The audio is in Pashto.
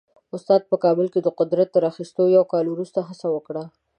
استاد په کابل کې د قدرت تر اخیستو یو کال وروسته هڅه وکړه.